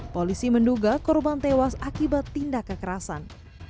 polisi menduga korban tewas akibat tindak kekerasan